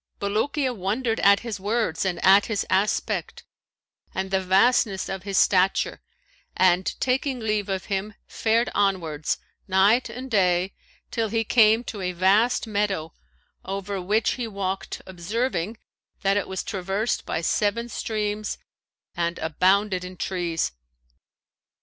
Bulukiya wondered at his words and at his aspect and the vastness of his stature and, taking leave of him, fared onwards, night and day, till he came to a vast meadow over which he walked observing that it was traversed by seven streams and abounded in trees.